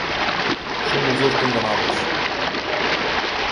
Son os dous condenados.